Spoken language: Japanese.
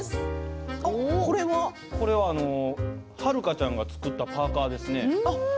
これは遥ちゃんが作ったパーカーですね。